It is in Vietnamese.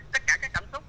tất cả các cảm xúc